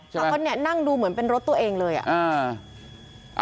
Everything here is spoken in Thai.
เขาก็เนี่ยนั่งดูเหมือนเป็นรถตัวเองเลยอ่ะ